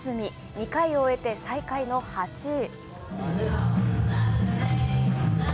２回を終えて最下位の８位。